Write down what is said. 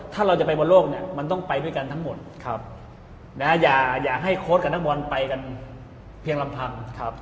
ถ้าเราจะไปบนโลกเนี่ยมันต้องไปด้วยกันทั้งหมดอย่าให้โค้ดกับนักบอลไปกันเพียงลำพัง